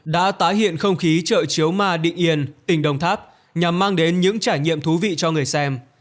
đã tái hiện không khí chợ chiếu ma định yên tỉnh đồng tháp nhằm mang đến những trải nghiệm thú vị cho người xem